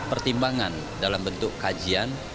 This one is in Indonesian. kami akan mencari penyelesaian yang lebih baik dalam bentuk kajian